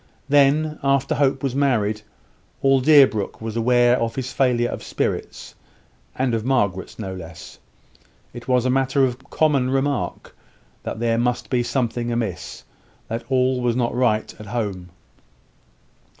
Then, after Hope was married, all Deerbrook was aware of his failure of spirits; and of Margaret's no less. It was a matter of common remark, that there must be something amiss that all was not right at home.